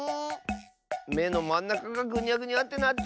めのまんなかがぐにゃぐにゃってなってる！